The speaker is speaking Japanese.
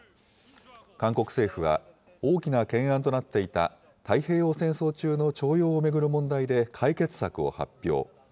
韓国政府は大きな懸案となっていた、太平洋戦争中の徴用を巡る問題で解決策を発表。